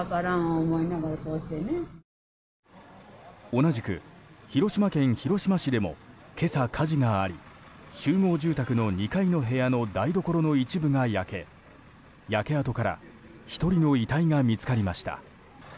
同じく広島県広島市でも今朝、火事があり、集合住宅の２階の部屋の台所の一部が焼け焼け跡から１人の遺体が見つかりました。